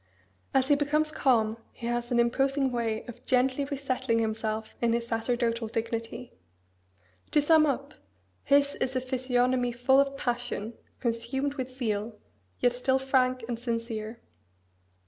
As he becomes calm he has an imposing way of gently resettling himself in his sacerdotal dignity. To sum up: his is a physiognomy full of passion, consumed with zeal, yet still frank and sincere.